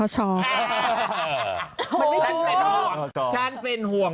แจกนะคนแรกเหรอ